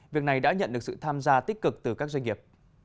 việc này đã nhận được sự tham gia tích cực từ các doanh nghiệp